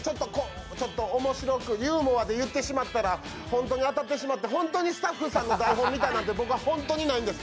ちょっと面白く、ユーモアで言ってしまったら、本当に当たってしまって、本当にスタッフさんの台本見たなんて僕はホントにないんです！